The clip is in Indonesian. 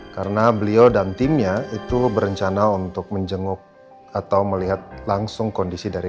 karena beliau dan timnya itu berencana untuk menjenguk atau melihat langsung kondisi dari